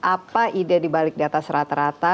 apa ide di balik di atas rata rata